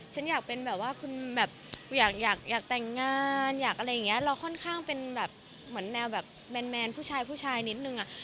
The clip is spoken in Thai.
ฉันอยากเป็นแบบว่าคุณแบบอยากอยากแต่งงานอยากอะไรอย่างเงี้ยเราค่อนข้างเป็นแบบเหมือนแนวแบบแมนผู้ชายผู้ชายนิดนึงอ่ะ